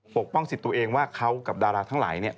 ปกป้องสิทธิ์ตัวเองว่าเขากับดาราทั้งหลาย